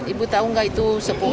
ibu tahu gak itu sepuh